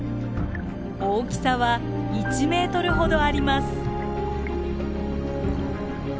大きさは１ｍほどあります。